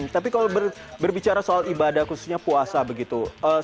tapi kalau berbicara soal ibadah khususnya puasa begitu